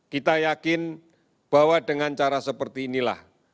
kita yakin bahwa dengan cara seperti inilah